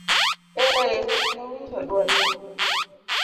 eeee, Nowinjo duol no.